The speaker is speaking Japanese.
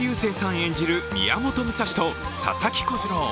演じる宮本武蔵と佐々木小次郎。